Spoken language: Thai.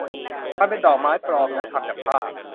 มันเป็นดอกไม้ปลอมนะ ทำจากผ้า